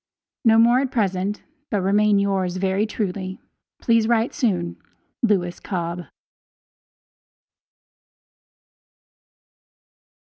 No more at present, but remain yours very truly, Please write soon. LEWIS COBB.